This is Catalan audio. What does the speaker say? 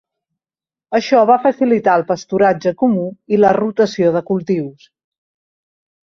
Això va facilitar el pasturatge comú i la rotació de cultius.